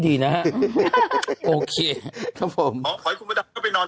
ดีนะฮะโอเคครับผมอ๋อขอให้คุณพระดำก็ไปนอน